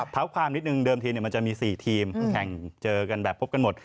เท้าความนิดนึงเดิมทีมันจะมี๔ทีมแข่งเจอกันแบบพบกันหมด